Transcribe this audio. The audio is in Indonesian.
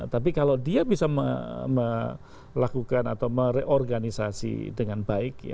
tapi kalau dia bisa melakukan atau mereorganisasi dengan baik